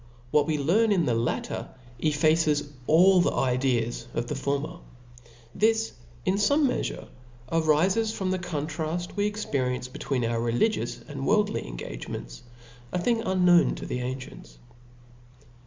What we learn in the latter, effaces 4II the ideas of the former. This in fome meafurc arifcs from the contrail we experience be tween our religious and worldly engagements \ a . thing unknown to the ancients.